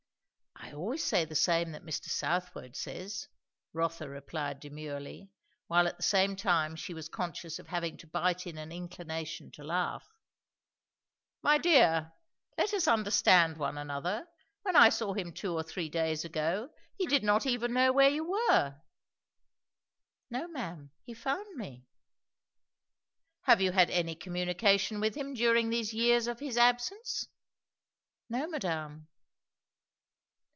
"I always say the same that Mr. Southwode says," Rotha replied demurely, while at the same time she was conscious of having to bite in an inclination to laugh. "My dear, let us understand one another. When I saw him two or three days ago, he did not even know where you were." "No, ma'am. He found me." "Have you had any communication with him during these years of his absence?" "No, madame."